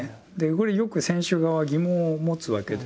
これよく選手側は疑問を持つわけですね。